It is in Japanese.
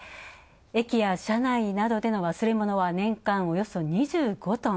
駅や車内などでの忘れ物は年間およそ２５トン。